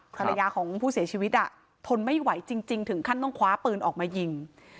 ภรรยาของผู้เสียชีวิตทนไม่ไหวจริงถึงขั้นต้องคว้าปืนออกมายิง